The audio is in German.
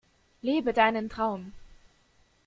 Lebe deinen Traum!